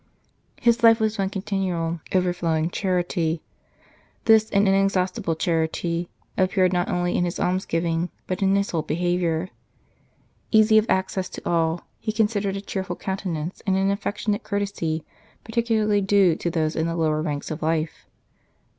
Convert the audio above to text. His life was one continual overflowing charity. This in exhaustible charity appeared not only in his almsgiving, but in his whole behaviour. Easy of access to all, he considered a cheerful countenance and an affectionate courtesy particularly due to those in the lower ranks of life.